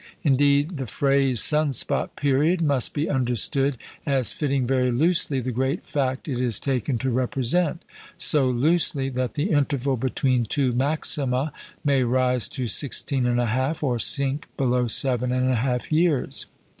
Indeed, the phrase "sun spot period" must be understood as fitting very loosely the great fact it is taken to represent; so loosely, that the interval between two maxima may rise to sixteen and a half or sink below seven and a half years.